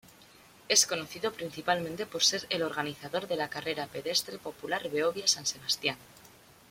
Es conocido principalmente por ser el organizador de la carrera pedestre popular Behobia-San Sebastián.